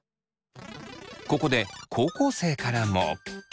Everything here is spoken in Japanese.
ここで高校生からも。